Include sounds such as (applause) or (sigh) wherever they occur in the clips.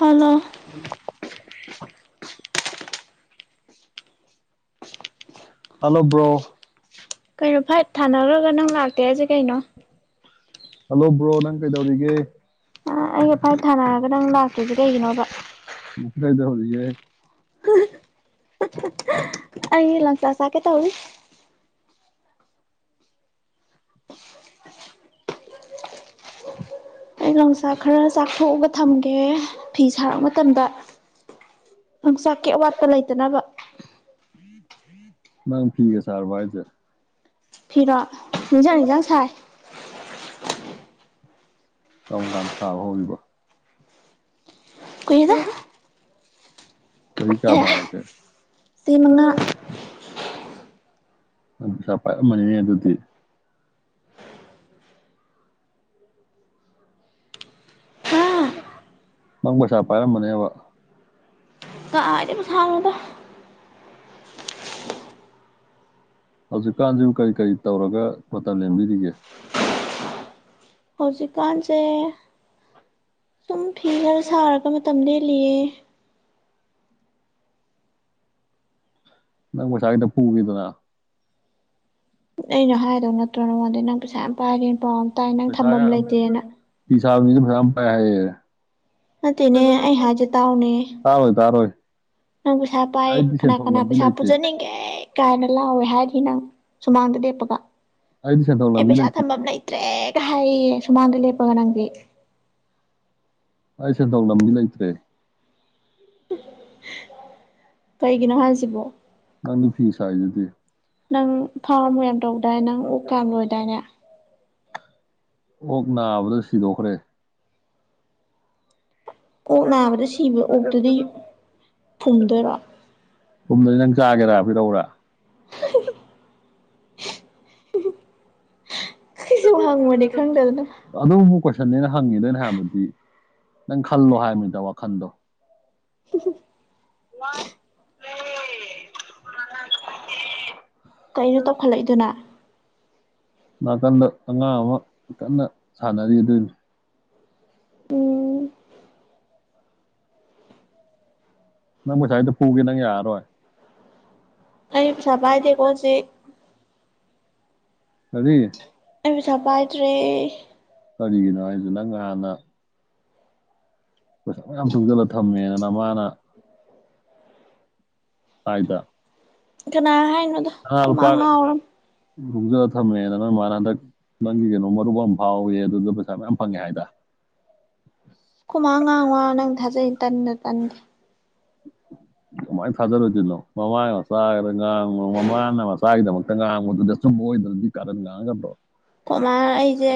hello (inaudible) hello bro ꯀꯩꯅꯣ fight ꯊꯥꯅꯒ꯭ꯔꯒ ꯅꯪ ꯂꯥꯛꯇꯦ ꯍꯥꯏꯖꯦ ꯀꯩꯅꯣ ꯍꯜꯂꯣ ꯕ꯭ꯔꯣ ꯅꯪ ꯀꯩꯗꯧꯔꯤꯒꯦ ꯑ ꯑꯩꯒ ꯐꯥꯏꯠ ꯊꯥꯅꯔꯒ ꯅꯪ ꯂꯥꯛꯇ꯭ꯔꯤꯖꯦ ꯀꯩꯒꯤꯅꯣꯕ ꯎꯝ ꯗꯩꯗꯧꯔꯤꯒꯦ ꯑꯩ ꯂꯪꯆꯥꯛ ꯆꯥꯛꯀꯦ ꯇꯧꯔꯤ ꯑꯩ ꯂꯪꯆꯥꯛ ꯈꯔ ꯆꯥꯛꯊꯣꯛꯑꯒ ꯊꯝꯒꯦ ꯐꯤ ꯁꯥꯔꯛ ꯃꯇꯝꯗ ꯍꯤꯡꯆꯥꯛꯀꯤ ꯑꯋꯥꯠꯄ ꯂꯩꯇꯅꯕ ꯅꯪ ꯐꯤꯒ ꯁꯔꯕꯣ ꯍꯥꯏꯖꯦ ꯐꯤꯔꯣ ꯅꯤꯡꯖ ꯅꯤꯡꯖꯡ ꯁꯥꯏ ꯀꯔꯝꯀꯟ ꯁꯥꯕ ꯍꯧꯔꯤꯕ ꯀꯨꯏꯗ ꯆꯍꯤ ꯀꯌꯥ ꯐꯔꯒꯦ ꯆꯩ ꯃꯉꯥ (unintelligible) ꯄꯩꯁꯥ ꯄꯥꯏꯔꯝ ꯃꯅꯤꯅꯦ ꯑꯗꯨꯗꯤ ꯑꯥ ꯅꯪ ꯄꯩꯁꯥ ꯄꯥꯏꯔꯝꯃꯅꯦꯕ ꯀꯥꯏ ꯗꯩ ꯄꯩꯁ ꯅꯣꯗ ꯍꯧꯖꯤꯛꯀꯥꯟꯖꯤ ꯀꯔꯤ ꯀꯔꯤ ꯇꯧꯔꯒ ꯃꯇꯝ ꯂꯦꯟꯕꯤꯔꯤꯒꯦ ꯍꯧꯖꯤꯛꯀꯥꯟꯆꯦ ꯁꯨꯝ ꯐꯤ ꯈꯔ ꯁꯥꯔꯒ ꯃꯇꯝ ꯂꯦꯜꯂꯤꯌꯦ ꯅꯪ ꯄꯩꯁ ꯒꯤꯗ ꯄꯨꯒꯦꯗꯅ ꯑꯩꯅ ꯍꯥꯏꯗꯧ ꯅꯠꯇ꯭ꯔꯣ ꯅꯉꯣꯟꯗꯩ ꯅꯪ ꯄꯩꯁꯥ ꯌꯥꯝ ꯄꯥꯏꯔꯦꯟ ꯄꯥꯎ ꯑꯝ ꯇꯥꯏ ꯅꯪ ꯊꯝꯕꯝ ꯂꯩꯇꯦꯅ ꯄꯤꯁꯥꯕ ꯃꯤꯗꯤ ꯐꯁꯥ ꯌꯥꯝ ꯄꯥꯏ ꯍꯥꯏꯌꯦ ꯅꯠꯇꯦꯅꯦ ꯑꯩ ꯍꯥꯏꯖꯦ ꯇꯥꯎꯅꯦ ꯇꯥꯔꯣꯏ ꯇꯥꯔꯣꯏ ꯅꯪ ꯄꯩꯁꯥ ꯄꯥꯏ ꯑꯩꯗꯤ ꯀꯅꯥ ꯁꯦꯟꯊꯣꯛ ꯀꯅꯥ ꯂꯝꯕꯤ ꯄꯩꯁꯥ ꯂꯩꯇꯦ ꯄꯨꯖꯅꯤꯡꯒꯦ ꯀꯥꯏꯅ ꯂꯥꯎꯋꯦ ꯍꯥꯏꯔꯤ ꯅꯪ ꯁꯨꯃꯥꯡꯗ ꯂꯦꯞꯄꯒ ꯑꯩꯗꯤ ꯁꯦꯟꯊꯣꯛ ꯑꯩ ꯂꯝꯕꯤ ꯄꯩꯁꯥ ꯂꯩꯇꯦ ꯊꯝꯕꯝ ꯂꯩꯠ ꯇ꯭ꯔꯦ ꯒ ꯍꯥꯏꯌꯦ ꯌꯦ ꯁꯨꯃꯥꯡꯗ ꯂꯦꯞꯄꯒ ꯅꯪꯗꯤ ꯑꯩ ꯁꯦꯟꯊꯣꯛ ꯂꯝꯗꯤ ꯂꯩꯇ꯭ꯔꯦ ꯀꯩꯒꯤꯅꯣ ꯍꯥꯏꯁꯤꯕꯣ ꯅꯪꯗꯤ ꯐꯤꯁ ꯁꯥꯏꯗꯨꯗ ꯅꯪ ꯐꯝꯒ ꯌꯥꯝ ꯇꯧꯗꯥꯏ ꯅꯪ ꯑꯣꯛꯀ ꯌꯥꯝ ꯂꯣꯏꯗꯥꯏꯅꯦ ꯑꯣꯛ ꯅꯥꯕꯗ ꯁꯤꯗꯣꯛꯈ꯭ꯔꯦ ꯑꯣꯛ ꯅꯥꯕꯗ ꯁꯤꯕ ꯑꯣꯛꯇꯨꯗꯤ ꯐꯨꯝꯗꯣꯏꯔꯣ ꯀꯨꯝꯗꯗꯤ ꯅꯪ ꯆꯥꯒꯦꯔꯥ ꯄꯤꯔꯛꯑꯣꯔ (unintelligible) ꯍꯪꯕꯅꯦ ꯈꯪꯗꯗꯅꯥ ꯑꯗꯨꯕꯨ ꯀꯣꯏꯁꯟꯅꯦꯅ ꯍꯪꯉꯤꯗꯣ ꯑꯩꯅ ꯍꯥꯏꯕꯗꯤ ꯅꯪ ꯈꯜꯂꯣ ꯍꯥꯏꯕꯅꯤꯗ ꯋꯥꯈꯟꯗꯣ (unintelligible) ꯋꯥ (unintelligible) ꯀꯩꯅꯣ ꯇꯧꯈꯠꯂꯛꯏꯗꯨꯅ ꯅꯥꯀꯟꯗ ꯑꯉꯥꯡ ꯑꯃ ꯀꯟꯅ ꯁꯥꯟꯅꯔꯤ ꯑꯗꯨꯏꯅꯤ ꯎꯝ ꯅꯪ ꯄꯩꯁꯥ ꯈꯤꯇꯥ ꯄꯨꯒꯦ ꯅꯪ ꯌꯥꯔꯔꯣꯏ ꯑꯩ ꯄꯩꯁꯥ ꯄꯥꯏꯗꯦꯀꯣ ꯍꯧꯖꯤꯛ ꯀꯔꯤ ꯑꯩ ꯄꯩꯁꯥ ꯄꯥꯏꯗ꯭ꯔꯦ ꯀꯔꯤꯒꯤꯅꯣ ꯍꯥꯏꯖꯦ ꯅꯪ ꯉꯍꯥꯟꯅ ꯄꯩꯁꯥ ꯌꯥꯝ ꯇꯨꯡꯖꯜꯂ ꯊꯝꯃꯦꯅ ꯅꯃꯅꯥ ꯍꯥꯏꯗ ꯀꯅꯥ ꯍꯥꯏꯅꯣꯗ ꯁꯅ ꯈꯣꯏꯃꯥ ꯂꯨꯄꯥ ꯉꯥꯎꯔꯝ ꯇꯨꯖꯜꯂ ꯊꯝꯃꯦꯅ ꯅꯣꯢꯃꯥꯅ ꯍꯟꯗꯛ ꯅꯪꯒꯤ ꯀꯩꯅꯣ ꯃꯔꯨꯞ ꯑꯃ ꯐꯥꯎꯋꯦꯌꯦ ꯑꯗꯨꯗ ꯄꯩꯁꯥ ꯃꯌꯥꯝ ꯐꯪꯉꯦ ꯍꯥꯏꯗ ꯒꯣꯢ ꯃꯥꯅ ꯉꯥꯡꯕ ꯋꯥꯥꯕꯨ ꯅꯪ ꯊꯥꯖꯩ ꯇꯟꯗ ꯇꯟꯗꯦ (unintelligible) ꯀꯃꯥꯏꯅ ꯊꯥꯖꯔꯣꯢꯗꯣꯢꯅꯣ ꯃꯃꯥꯢ ꯃꯆꯥꯒꯤꯗ ꯉꯥꯡꯗ ꯃꯃꯥꯅ ꯃꯆꯥꯒꯤꯗꯃꯛꯇ ꯉꯥꯡꯕꯗꯨꯗ ꯑꯆꯨꯝꯕ ꯑꯣꯏꯗ꯭ꯔꯗꯤ ꯀꯔꯅ ꯉꯥꯡꯒꯗ꯭ꯔꯣ ꯀꯥꯅꯅꯣ ꯑꯩꯖꯦ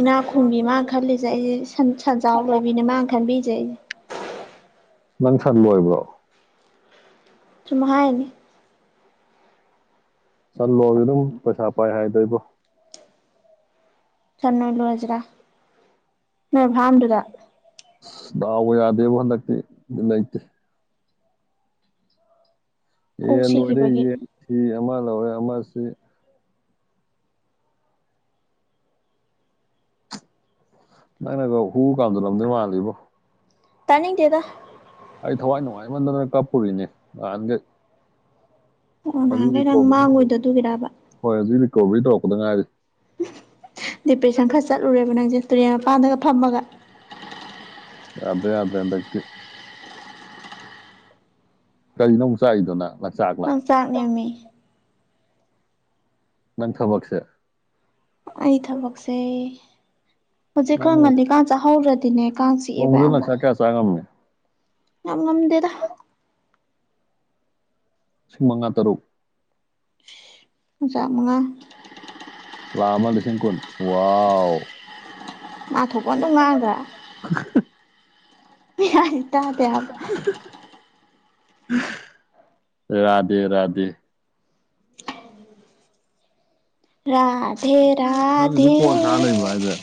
ꯏꯅꯥꯈꯨꯟꯕꯤ ꯃꯥꯅ ꯈꯜꯂꯤꯁꯦ ꯑꯩꯁꯦ ꯁꯟꯖꯥꯎ ꯂꯣꯏꯕꯤꯅꯦ ꯃꯥꯅ ꯈꯜꯕꯤꯖꯦ ꯑꯩꯁꯦ ꯅꯪ ꯁꯟ ꯂꯣꯏꯕ꯭ꯔꯣ ꯁꯨꯝ ꯍꯥꯏꯅꯤ ꯆꯟꯂꯣꯗꯨꯝ ꯄꯩꯁꯥ ꯄꯥꯏ ꯍꯥꯏꯗ ꯏꯕꯣ ꯁꯟ ꯅꯣꯏ ꯂꯣꯏꯔꯁꯤꯔꯥ ꯅꯣꯏ ꯚꯥꯝꯗꯨꯗ ꯗꯥꯎꯒꯥ ꯌꯥꯗꯦꯕꯨ ꯍꯟꯗꯛꯇꯤ ꯕꯤꯠꯀꯥ ꯂꯩꯇꯦ ꯑꯣꯛ ꯌꯦꯟ ꯂꯣꯏꯔꯦ ꯁꯤꯈꯤꯕꯒꯤ ꯌꯦꯟ ꯁꯤ ꯑꯃ ꯂꯣꯏꯔꯦ ꯑꯃꯁꯤ ꯅꯪꯅꯒꯣ ꯍꯨ ꯀꯥꯝꯖꯜꯂꯝꯗꯣꯏ ꯃꯥꯜꯂꯤꯕꯣ ꯇꯥꯅꯤꯡ ꯗꯦꯗ ꯑꯩ ꯊꯋꯥꯏ ꯅꯨꯡꯉꯥꯏꯃꯟꯗꯗꯅ ꯀꯞꯄꯨꯔꯤꯅꯦ ꯅꯍꯥꯟꯒꯩ ꯑꯣ ꯍꯧꯖꯤꯛ ꯅꯍꯥꯟꯒꯩ ꯅꯪ ꯔꯤꯀꯣꯕꯔꯤ ꯃꯥꯡꯉꯣꯏꯗꯣ ꯑꯗꯨꯒꯤꯔꯥꯕ ꯍꯣꯏ ꯍꯧꯖꯤꯛ ꯔꯤꯀꯣꯕ꯭ꯔꯤ ꯇꯧꯔꯛꯄꯗ ꯉꯥꯏꯔꯤ ꯗꯤꯄ꯭ꯔꯦꯁꯟ ꯈꯔ ꯆꯠꯂꯨꯔꯦꯕ ꯅꯪꯖꯦ ꯇꯨꯔꯦꯟ ꯃꯄꯥꯟꯗꯒ ꯐꯝꯃꯒ ꯌꯥꯗ꯭ꯔꯦ ꯌꯥꯗ꯭ꯔꯦ ꯍꯟꯗꯛꯇꯤ ꯀꯔꯤꯅꯣ ꯑꯃꯨꯛ ꯆꯥꯛ ꯏꯗꯨꯅ ꯂꯪꯆꯥꯛꯂꯥ ꯂꯪꯆꯥꯛ ꯅꯦꯃꯤ ꯅꯪ ꯊꯕꯛꯁꯦ ꯑꯩ ꯊꯕꯛꯁꯦ ꯍꯧꯖꯤꯛ ꯅꯪ ꯈꯔ ꯅꯣꯡ ꯉꯜꯂꯤꯀꯥꯟ ꯆꯥꯛꯍꯧꯗ꯭ꯔꯗꯤꯅꯦ ꯅꯣꯡꯃꯗ ꯂꯪꯆꯥꯛ ꯀꯌꯥ ꯆꯥꯛ ꯉꯝꯒꯦ ꯌꯥꯝ ꯉꯝꯗꯦꯗ ꯂꯤꯁꯤꯡ ꯃꯉꯥ ꯇꯔꯨꯛ ꯖꯂꯪꯆꯥꯛ ꯃꯉꯥ ꯂꯥꯛ ꯑꯃꯥ ꯂꯤꯁꯤꯡ ꯀꯨꯟ ꯋꯥꯎ ꯃꯥ ꯊꯣꯛꯄꯥꯝ ꯑꯗꯨꯝ ꯉꯡꯗ꯭ꯔ ꯍ (unintelligible) ꯃꯤꯍꯥꯏ ꯇꯗꯦꯕ ꯔꯙꯦ ꯔꯙꯦ ꯔꯙꯦ ꯅꯪ ꯑꯗꯨꯝ ꯔꯥꯙꯦ ꯀꯣꯟ ꯁꯥ ꯂꯩꯕ꯭ꯔꯣ ꯍꯥꯏꯁꯦ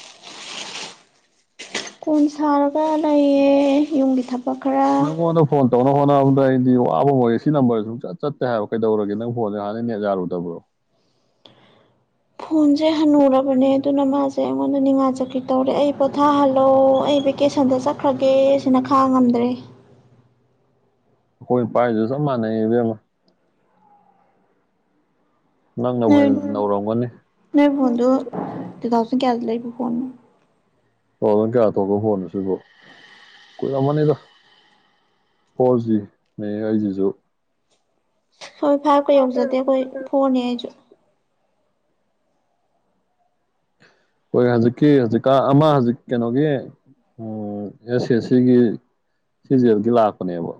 ꯀꯣꯟ ꯁꯥꯔꯒ ꯂꯩꯌꯦ ꯌꯨꯝꯒꯤ ꯊꯕꯛ ꯈꯔ ꯅꯥꯉꯣꯟꯗ ꯐꯣꯟ ꯇꯧꯅꯕ ꯍꯣꯠꯅꯕꯗ ꯑꯩꯗꯤ ꯋꯥꯕꯝ ꯑꯣꯏꯔꯦ ꯁꯤ ꯅꯝꯕꯔꯖꯦ ꯁꯨꯡ ꯆꯠ ꯆꯠꯇꯦ ꯍꯥꯏꯕ ꯀꯩꯗꯧꯔꯒꯦ ꯅꯪ ꯐꯣꯟꯖꯦ ꯍꯥꯟꯅ ꯅ‌ꯦꯠ ꯌꯥꯔꯨꯗꯕ꯭ꯔꯣ ꯐꯣꯟꯖꯦ ꯍꯟꯅꯨꯔꯕꯅꯦ ꯑꯗꯨꯅ ꯃꯥꯁꯦ ꯑꯩꯉꯣꯟꯗ ꯅꯤꯡꯉꯥꯏ ꯆꯥꯀ꯭ꯔꯤ ꯇꯧꯔꯦ ꯑꯩ ꯄꯣꯊꯥꯍꯜꯂꯣ ꯑꯩ ꯚꯦꯀꯦꯁꯟꯗ ꯆꯠꯈ꯭ꯔꯒꯦ ꯁꯤꯅ ꯈꯡꯉꯝꯗ꯭ꯔꯦ ꯑꯩꯈꯣꯏ ꯄꯥꯏꯖꯤꯒ ꯆꯞ ꯃꯥꯟꯅꯩ ꯏꯕꯦꯝꯃꯥ ꯅꯪꯅꯕꯨ ꯅꯣꯏ ꯍꯦꯟꯅ ꯅꯧꯔꯝꯒꯅꯤ ꯇꯨ ꯅꯣꯏ ꯐꯣꯟꯗꯣ ꯇꯨ ꯊꯥꯎꯖꯟ ꯀꯌꯥꯗ ꯂꯩꯕ ꯐꯣꯟꯅꯣ ꯇꯨꯊꯥꯎꯖꯟ ꯀꯌꯥꯗ ꯊꯣꯛꯄ ꯐꯣꯟꯅꯣ ꯁꯤꯕꯣ ꯀꯨꯏꯔꯝꯃꯅꯤꯗ ꯐꯣꯔ ꯖꯤꯅꯦ ꯑꯩꯖꯤꯖꯨ ꯍꯣꯏ ꯐꯥꯏꯚꯀ ꯌꯧꯖꯗꯦ ꯑꯩꯈꯣꯏ ꯐꯣꯔꯅꯦ ꯑꯩꯖꯨ ꯑꯩꯈꯣꯏ ꯍꯧꯖꯤꯛꯀꯤ ꯍꯧꯖꯤꯛꯀꯥꯟ ꯑꯃ ꯍꯧꯖꯤꯛ ꯀꯩꯅꯣꯒꯤ ꯑꯦꯁ ꯑꯦꯁ ꯁꯤ ꯒꯤ ꯁꯤ ꯖꯤ ꯑꯦꯜ ꯒꯤ ꯂꯥꯛꯄꯅꯦꯕ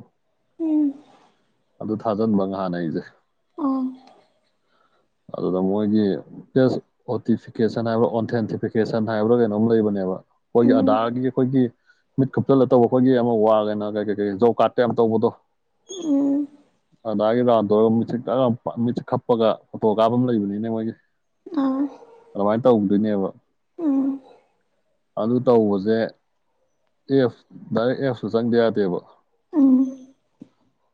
ꯎꯝ ꯑꯗꯨ ꯊꯥꯖꯟꯕ ꯉꯍꯥꯟ ꯑꯩꯖꯦ ꯑꯥ ꯑꯗꯨꯗ ꯃꯣꯏꯒꯤ ꯑꯣꯇꯤꯐꯤꯀꯦꯁꯟ ꯍꯥꯏꯕ꯭ꯔꯥ ꯑꯣꯟꯊꯦꯟꯇꯤꯐꯤꯀꯦꯁꯟ ꯍꯥꯏꯕ꯭ꯔꯥ ꯀꯩꯅꯣꯝ ꯂꯩꯕꯅꯦꯕ ꯑꯩꯈꯣꯏꯒꯤ ꯎꯝ ꯑꯗꯥꯔꯒꯤ ꯑꯩꯈꯣꯏꯒꯤ ꯃꯤꯠ ꯈꯨꯞꯆꯜꯂ ꯇꯧꯕ ꯑꯩꯈꯣꯏꯒꯤ ꯑꯃ ꯋꯥꯜ ꯀꯩ ꯀꯩꯀꯩ ꯖꯣꯕ ꯀꯥ꯭ꯔꯠꯇ ꯌꯥꯝ ꯇꯧꯕꯗꯣ ꯎꯝ ꯑꯗꯥ꯭ꯔ ꯒꯩꯒꯥ ꯇꯧꯔꯒ ꯃꯤꯠꯁꯦ ꯒꯦꯂꯥꯎ ꯄ ꯃꯤꯠꯆꯠ ꯀꯞꯄꯒ ꯐꯣꯇꯣ ꯀꯥꯞꯄꯝ ꯂꯩꯕꯅꯤꯅꯦ ꯃꯣꯏꯒꯤ ꯑꯥ ꯑꯗꯨꯃꯥꯏꯅ ꯇꯧꯗꯣꯏꯅꯦꯕ ꯎꯝ ꯑꯗꯨ ꯇꯧꯕꯖꯦ ꯑꯦꯞ ꯗꯥꯏꯔꯦꯛ ꯑꯦꯞꯇ ꯆꯪꯗ ꯌꯥꯗꯦꯕ ꯎꯝ ꯎꯝ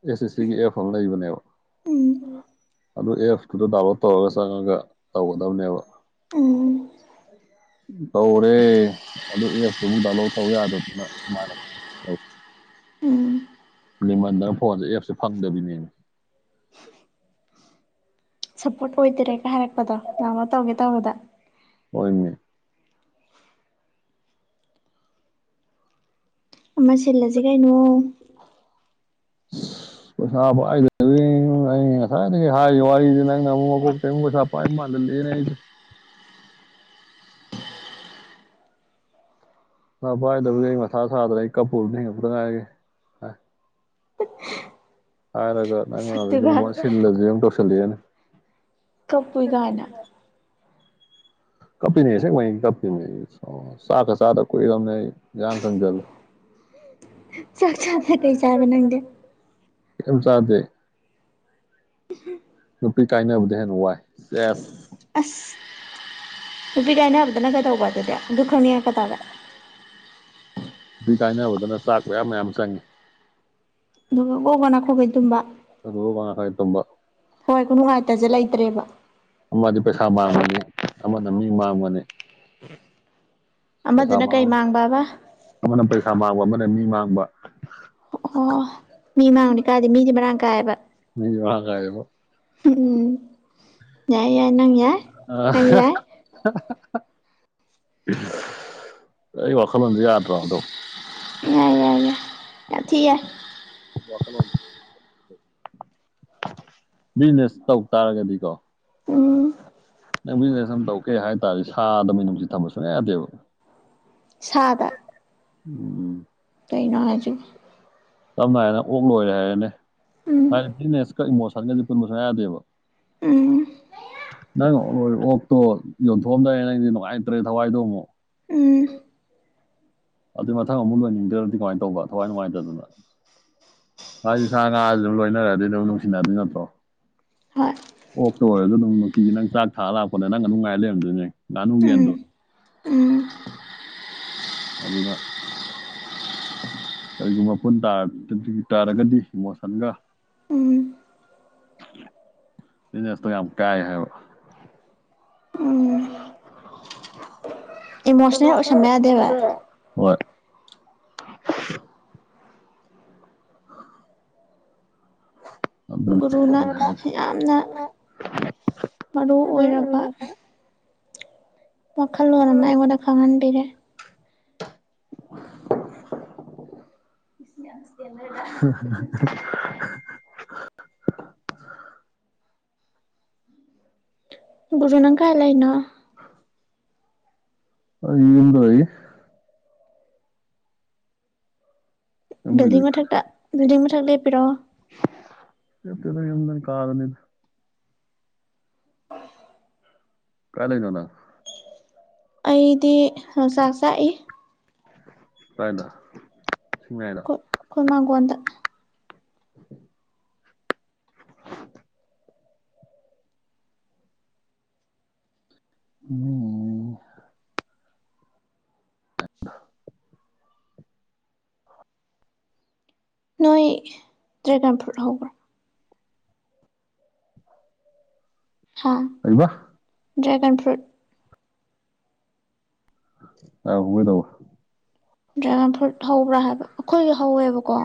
ꯑꯦꯁ ꯑꯦꯁ ꯁꯤ ꯒꯤ ꯑꯦꯐ ꯑꯃꯥ ꯂꯩꯕꯅꯦꯕ ꯑꯗꯨ ꯑꯦꯐ ꯇꯨꯗ ꯗꯥꯎꯟꯂꯣꯗ ꯇꯧꯔꯒ ꯆꯪꯉꯒ ꯇꯧꯒꯗꯕꯅꯦꯕ ꯎꯝ ꯎꯝ ꯇꯧꯔꯦ ꯑꯗꯨ ꯑꯦꯐ ꯇꯨ ꯃꯨꯛ ꯗꯥꯎꯟꯂꯣꯗ ꯇꯧ ꯌꯥꯗꯗꯥꯅ ꯑꯗꯨꯃꯥꯏꯅ ꯂꯤꯡꯃꯟꯗꯅ ꯐꯣꯟꯖꯦ ꯑꯦꯐ ꯁꯨ ꯐꯪꯗꯕꯤꯅꯦꯃꯤ ꯁꯞꯄꯣꯔꯠ ꯑꯣꯏꯗꯔꯦꯒ ꯍꯥꯏꯔꯛꯄꯗꯣ ꯗꯥꯎꯂꯣꯠ ꯇꯧꯒꯦ ꯇꯧꯕꯗ ꯍ‌ꯣꯏꯅꯦ ꯑꯃ ꯁꯤꯜꯂꯁꯤ ꯀꯩꯅꯣ ꯑꯁ ꯄꯩꯁꯥ ꯄꯥꯏꯗꯕꯩꯅꯦ ꯑꯩ ꯉꯁꯥꯏꯗꯒꯤ ꯍꯥꯏꯔꯤꯕ ꯋꯥꯔꯤꯁꯦ ꯅꯪꯅ ꯑꯃꯨꯛ ꯃꯀꯣꯛꯇꯩ ꯑꯃꯨꯛ ꯄꯩꯁꯥ ꯄꯥꯏꯕ ꯃꯥꯟꯍꯟꯂꯦꯅꯦ ꯑꯩꯁꯦ ꯄꯩꯁꯥ ꯄꯥꯏꯗꯕꯒꯤ ꯑꯩ ꯃꯊꯥ ꯁꯥꯗꯅ ꯑꯩ ꯀꯄꯨꯔꯃꯤ ꯍꯦꯟꯕꯇ ꯉꯥꯏꯔꯤ ꯍꯥꯏꯔꯒ ꯅꯪꯅ ꯑꯗꯩꯗ ꯑꯃꯨꯛ ꯁꯛꯇꯨꯒ ꯁꯤꯜꯂꯖꯦꯅ ꯗꯣꯁꯜꯂꯦꯅꯦ ꯀꯞꯄꯨꯏ ꯗꯥꯏꯅꯦ ꯀꯞꯄꯤꯅꯦ ꯑꯁꯦꯡꯕꯩ ꯀꯞꯄꯤꯅꯦ ꯑꯩ ꯆꯥꯛꯀ ꯆꯥꯗ ꯀꯨꯏꯔꯕꯅꯦ ꯑꯩ ꯏꯌꯥꯡ ꯀꯪꯖꯤꯜꯂꯦ ꯆꯥꯛ ꯆꯥꯗꯅ ꯀꯩ ꯆꯥꯕ ꯅꯪꯗꯤ ꯀꯩꯏꯝ ꯆꯥꯗꯦ ꯅꯨꯄꯤ ꯀꯥꯏꯅꯕꯗꯩ ꯍꯦꯟꯅ ꯋꯥꯏ ꯑꯦꯁ ꯑꯁ ꯅꯨꯄꯤ ꯀꯥꯏꯅꯕꯗꯅ ꯀꯩꯗꯧꯕ ꯑꯗꯨꯗꯤ ꯑꯗꯨ ꯈꯪꯅꯤꯡꯉꯛꯄ ꯇꯥꯔꯦ ꯅꯨꯄꯤ ꯀꯥꯏꯅꯕꯗꯅ ꯆꯥꯛ ꯃꯌꯥꯝ ꯃꯌꯥꯝ ꯆꯪꯉꯦ ꯑꯗꯨꯒ ꯒꯣ ꯒꯣ ꯅꯥꯈꯣꯛꯈꯩ ꯇꯨꯝꯕ ꯑꯗꯨꯗꯨꯒ ꯉꯁꯥꯏ ꯇꯨꯝꯕ ꯊꯋꯥꯏ ꯈꯨꯅꯨꯡꯉꯥꯏꯇꯁꯦ ꯂꯩꯇ꯭ꯔꯦꯕ ꯑꯃꯗꯤ ꯄꯩꯁꯥ ꯃꯥꯡꯒꯅꯤ ꯑꯃꯅ ꯃꯤ ꯃꯥꯡꯕꯅꯤ (unintelligible) ꯄꯩꯁꯥ ꯀꯩ ꯃꯥꯡꯕ ꯃꯥꯡꯕꯕ ꯑꯃꯅ ꯄꯩꯁꯥ ꯃꯥꯡꯕ ꯑꯃꯅ ꯃꯤ ꯃꯥꯡꯕ ꯑꯣ ꯃꯤ ꯃꯥꯡꯗꯤ ꯀꯥꯏꯗꯦ ꯃꯤꯗꯤ ꯃꯔꯥꯡ ꯀꯥꯏꯑꯕ ꯃꯤꯗꯤ ꯃꯥꯔꯥꯡ ꯀꯥꯏꯌꯦꯕ ꯎꯝꯝ ꯌꯥꯏ ꯌꯥꯏ ꯅꯪ ꯌꯥꯏ ꯅꯪ ꯌꯥꯏ ꯑꯍ ꯑꯍ ꯑꯍ ꯑꯩ ꯋꯥꯈꯜꯂꯣꯟꯖꯦ ꯌꯥꯗ꯭ꯔꯣ ꯑꯗꯨꯝ ꯌꯥꯏ ꯌꯥꯏ ꯌꯥꯏ ꯌꯥꯝ ꯊꯤ ꯌꯥꯏ ꯕꯤꯖꯤꯅꯦꯁ ꯇꯧꯇꯥꯔꯒꯗꯤꯀꯣ ꯎꯝ ꯅꯪ ꯕꯤꯖꯤꯅꯦꯁ ꯑꯝ ꯇꯧꯒꯦ ꯍꯥꯏꯇꯥꯔꯗꯤ ꯁꯥꯗ ꯃꯤꯅꯨꯡꯁꯤ ꯊꯝꯕ ꯁꯨꯡꯌꯥ ꯌꯥꯗꯦꯕ ꯁꯥꯗ ꯎꯝ ꯀꯩꯩꯅꯣ ꯍꯥꯏꯖꯤꯕꯨ ꯁꯝꯅ ꯍꯥꯏꯅ ꯑꯣꯛ ꯂꯣꯏꯔꯦ ꯍꯥꯏꯔꯦꯅꯦ ꯎꯝ ꯍꯥꯏ ꯕꯤꯖꯤꯅꯦꯁꯀ ꯏꯃꯣꯁꯟꯒꯗꯤ ꯄꯨꯟꯕ ꯁꯨꯡꯌꯥ ꯌꯥꯗꯦꯕ ꯎꯝ ꯅꯪ ꯂꯣꯏꯔꯤ ꯑꯣꯛꯇꯣ ꯌꯣꯟꯊꯣꯛꯑꯝꯗꯥꯏ ꯅꯪꯖꯤ ꯅꯨꯡꯉꯥꯏꯇ꯭ꯔꯦ ꯊꯋꯥꯏꯗꯣ ꯑꯃꯨꯛ ꯎꯝ ꯑꯗꯨ ꯃꯊꯪ ꯑꯃꯨꯛ ꯂꯣꯏꯅꯤꯡꯗ꯭ꯔꯗꯤ ꯀꯃꯥꯏꯟ ꯇꯧꯕ ꯊꯋꯥꯏ ꯅꯨꯡꯉꯥꯏꯇꯗꯅ ꯍꯥꯏꯗꯤ ꯁꯥ ꯉꯥꯖꯤ ꯑꯗꯨꯝ ꯂꯣꯏꯅꯔꯗꯤ ꯑꯗꯨꯝ ꯅꯨꯡꯁꯤꯅꯗꯣꯏ ꯅꯠꯇ꯭ꯔꯣ ꯍꯣꯏ ꯑꯣꯛꯇꯨ ꯑꯣꯏꯔꯖꯨ ꯑꯗꯨꯝ ꯅꯨꯡꯇꯤꯒꯤ ꯅꯪ ꯆꯥꯛ ꯊꯥ ꯂꯥꯛꯄꯗ ꯅꯪ ꯑꯗꯨꯝ ꯉꯥꯏꯔ ꯂꯩꯔꯝꯗꯣꯏꯅꯦ ꯉꯥꯅꯨ ꯎꯝ ꯌꯦꯟꯗꯣ ꯎꯝ ꯑꯗꯨꯅ ꯀꯔꯤꯒꯨꯝꯕ ꯄꯨꯟ ꯇꯥꯔ ꯒꯗꯤ ꯇꯥꯔꯒꯗꯤ ꯏꯃꯣꯁꯟꯒ ꯎꯝ ꯕꯤꯖꯤꯅꯦꯁꯇꯣ ꯌꯥꯝ ꯀꯥꯏ ꯍꯥꯏꯕ ꯎꯝ (inaudible) ꯏꯃꯣꯁ꯭ꯅꯦꯜ ꯑꯣꯏꯁꯟꯕ ꯌꯥꯗꯦꯕ ꯍꯣꯏ (inaudible) ꯒꯨꯔꯨꯅ ꯑꯩꯅ ꯍꯥꯏꯁꯦ ꯑ ꯌꯥꯝꯅ ꯃꯔꯨ ꯑꯣꯏꯔꯕ ꯋꯥꯈꯜꯂꯣꯟ ꯑꯃ ꯑꯩꯉꯣꯟꯗ ꯈꯪꯍꯟꯕꯤꯔꯦ (inaudible) ꯏꯁ ꯌꯥꯝ ꯁ꯭ꯇꯦꯟꯗꯔꯗ ꯒꯨꯔꯨ ꯅꯪ ꯀꯥꯏ ꯂꯩꯅꯣ (inaudible) ꯑꯩ ꯌꯨꯝꯗ ꯂꯩ ꯌꯨꯝ ꯕꯤꯜꯗꯤꯡ ꯂꯩꯖꯩ ꯃꯊꯛꯇ ꯕꯤꯜꯗꯤꯡ ꯃꯊꯛ ꯂꯦꯞꯄꯤꯔꯣ ꯂꯦꯞꯇꯦꯗ ꯌꯨꯝꯗꯅꯤ ꯀꯥꯗꯅꯤꯗ (inaudible) ꯀꯥꯏ ꯂꯩꯅꯣ ꯅꯪ ꯑꯩꯗꯤ ꯍꯪꯆꯥꯛ ꯆꯥꯛꯏ ꯀꯥꯏꯗ ꯁꯤꯡ ꯃꯌꯥꯏ ꯈꯣꯏ ꯃꯥꯡꯒꯣꯟꯗ (inaudible) ꯎꯝ ꯅꯣꯏ ꯗ꯭ꯔꯥꯏꯒꯟ ꯐ꯭ꯔꯨꯠ ꯍꯧꯕ꯭ꯔꯣ ꯍꯥꯥ ꯀꯩꯕ ꯗ꯭ꯔꯥꯏꯒꯟ ꯐ꯭ꯔꯨꯠ (unintelligible) ꯀꯩꯗꯧꯕ ꯗ꯭ꯔꯥꯏꯒꯟ ꯐ꯭ꯔꯨꯠ ꯍꯧꯕ꯭ꯔꯥ ꯍꯥꯏꯕ ꯑꯈꯣꯏꯒꯤ ꯍꯧꯋꯦꯕꯀꯣ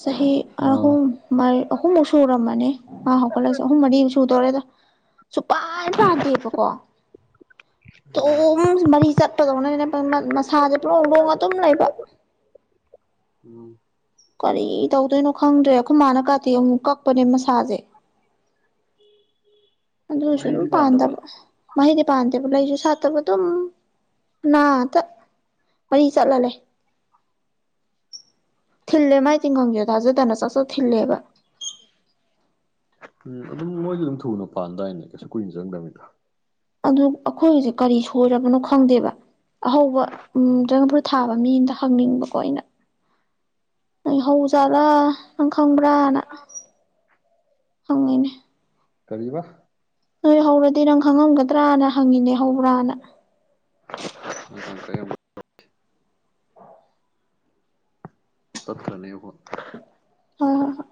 ꯆꯍꯤ ꯑꯥ ꯑꯍꯨꯝ ꯃꯔ ꯑꯍꯨꯝꯃꯨꯛ ꯁꯨꯔꯝꯃꯅꯤ ꯃꯥ ꯍꯧꯒꯠꯂꯛꯏꯁꯤ ꯑꯍꯨꯝ ꯃꯔꯤ ꯁꯨꯗꯣꯔꯦꯗ ꯁꯨꯛꯄꯥꯟ ꯄꯥꯟꯗꯦꯕꯀꯣ ꯇꯨꯝ ꯃꯔꯤ ꯆꯠꯄꯗꯧꯅꯅꯦ ꯃ ꯃꯠ ꯃꯁꯥꯁꯦ ꯄ꯭ꯂꯣꯡ ꯄ꯭ꯂꯣꯡ ꯑꯗꯨꯝ ꯂꯩꯕ ꯎꯝ ꯀꯔꯤ ꯇꯧꯗꯣꯏꯅꯣ ꯈꯪꯗ꯭ꯔꯦ ꯑꯩꯈꯣꯏ ꯃꯥꯅ ꯀꯥꯇꯤ ꯑꯃꯨꯛ ꯀꯛꯄꯅꯦ ꯃꯁꯥꯁꯦ ꯑꯗꯨꯁꯨ ꯑꯗꯨꯝ ꯄꯥꯟꯗꯕ ꯃꯍꯩꯗꯤ ꯄꯥꯟꯗꯦꯕ ꯂꯩꯁꯨ ꯁꯥꯠꯇꯕ ꯑꯗꯨꯝ ꯃꯅꯥ ꯇ ꯃꯔꯤ ꯆꯠꯂ ꯂꯩ ꯊꯤꯜꯂꯦ ꯃꯥꯏ ꯇꯤꯡꯒꯪꯖꯦ ꯊꯥꯖꯗꯅ ꯆꯥꯛ ꯆꯥꯛ ꯊꯤꯜꯂꯦꯕ ꯎꯝ ꯑꯗꯨꯝ ꯃꯣꯏꯗꯤ ꯑꯗꯨꯝ ꯊꯨꯅ ꯄꯥꯟꯗꯥꯏꯅ ꯀꯩꯁꯨ ꯀꯨꯏꯅ ꯆꯪꯗꯕꯅꯤꯗ ꯑꯗꯨ ꯑꯩꯈꯣꯏꯒꯤꯁꯦ ꯀꯔꯤ ꯁꯣꯏꯔꯕꯅꯣ ꯈꯪꯗꯦꯕ ꯑꯍꯧꯕ ꯎꯝ ꯗ꯭ꯔꯦꯒꯟ ꯐ꯭ꯔꯨꯠ ꯊꯥꯕ ꯃꯤ ꯑꯝꯗ ꯍꯪꯅꯤꯡꯕꯀꯣ ꯑꯩꯅ ꯅꯣꯏ ꯍꯧꯖꯥꯠꯂꯥ ꯅꯪ ꯈꯪꯕ꯭ꯔꯥꯅ ꯈꯪꯉꯤꯅꯦ ꯀꯔꯤꯕ ꯅꯣꯏ ꯍꯧꯔꯗꯤ ꯅꯪ ꯈꯪꯉꯝꯒꯗ꯭ꯔꯅ ꯍꯪꯉꯤꯅꯦ ꯍꯧꯕ꯭ꯔꯥꯅ (unintelligible) ꯇꯠꯇ꯭ꯔꯅꯦꯍꯣ ꯇꯠ ꯍꯣꯏ ꯍꯣꯏ ꯍ